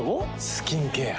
スキンケア。